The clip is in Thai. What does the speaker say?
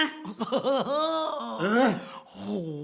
เออ